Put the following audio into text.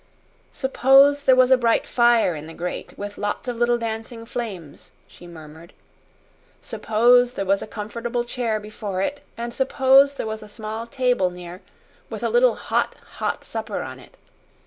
"Suppose there was a bright fire in the grate, with lots of little dancing flames," she murmured. "Suppose there was a comfortable chair before it and suppose there was a small table near, with a little hot hot supper on it.